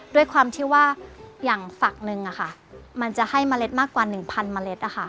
ด้วยความที่ว่าอย่างฝักหนึ่งมันจะให้เมล็ดมากกว่า๑๐๐เมล็ด